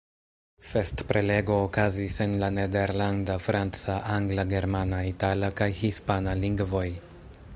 Festprelego okazis en la nederlanda, franca, angla, germana, itala kaj hispana lingvoj.